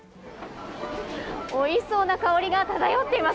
おいしそうな香りが漂っています。